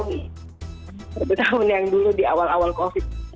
satu tahun yang dulu di awal awal covid